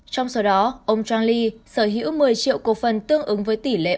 trong số đó ông trang ly sở hữu một mươi triệu cổ phần tương ứng với tỷ lệ bốn mươi